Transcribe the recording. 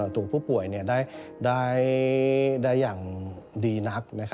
ตัวผู้ป่วยได้อย่างดีนัก